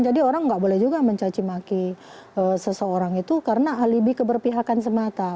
jadi orang nggak boleh juga mencacimaki seseorang itu karena lebih keberpihakan semata